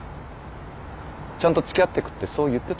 ちゃんとつきあってくってそう言ってたよな。